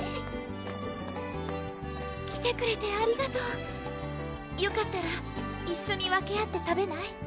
・来てくれてありがとうよかったら一緒に分け合って食べない？